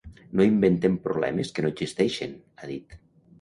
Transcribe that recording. No inventem problemes que no existeixen, ha dit.